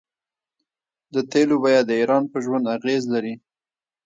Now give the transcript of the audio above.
د تیلو بیه د ایران په ژوند اغیز لري.